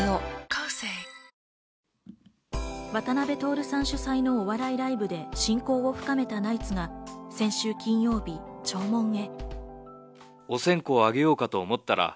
渡辺徹さん主催のお笑いライブで親交を深めたナイツが先週金曜日、弔問へ。